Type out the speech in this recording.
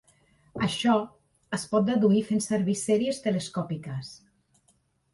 Això es pot deduir fent servir sèries telescòpiques.